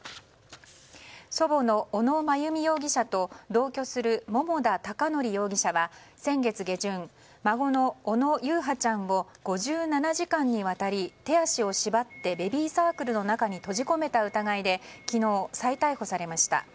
祖母の小野真由美容疑者と同居する桃田貴徳容疑者は先月下旬、孫の小野優陽ちゃんを５７時間にわたり、手足を縛ってベビーサークルの中に閉じ込めた疑いで昨日、再逮捕されました。